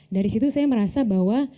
dari situ saya merasa bahwa